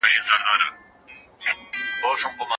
خو که موږ یو یو نو څوک مو نه شي ماتولی.